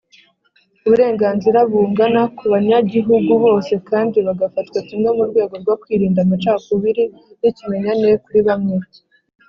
Uburenganzira bungana ku banyagihugu bose kandi bagafatwa kimwe murwego rwo kwirinda amacakubiri n’ikimenyane kuri bamwe.